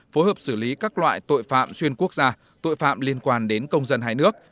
phối hợp xử lý các loại tội phạm xuyên quốc gia tội phạm liên quan đến công dân hai nước